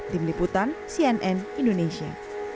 tim liputan cnn indonesia